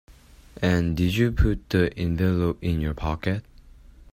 And did you put the envelope in your pocket?